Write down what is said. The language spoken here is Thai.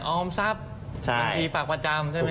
ออมทรัพย์บางทีฝากประจำใช่ไหมครับ